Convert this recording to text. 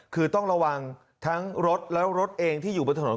คือต้องระวังทั้งรถแล้วรถเองที่อยู่บนถนน